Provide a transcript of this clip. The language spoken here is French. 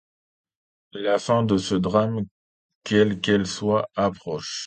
La fin de ce drame, quelle qu’elle soit, approche.